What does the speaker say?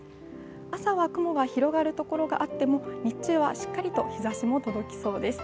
朝は雲が広がるところがあっても、日中はしっかりと日ざしが届きそうです。